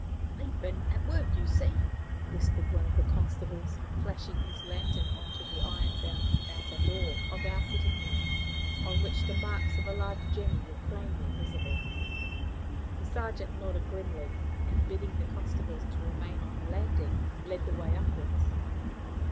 "They've been at work, you see," whispered one of the constables, flashing his lantern on to the iron bound outer door of our sitting room, on which the marks of a large jemmy were plainly visible. The sergeant nodded grimly, and, bidding the constables to remain on the landing, led the way upwards.